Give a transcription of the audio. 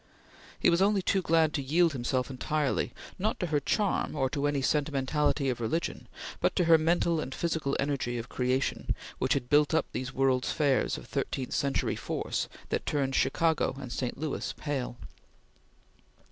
He was only too glad to yield himself entirely, not to her charm or to any sentimentality of religion, but to her mental and physical energy of creation which had built up these World's Fairs of thirteenth century force that turned Chicago and St. Louis pale.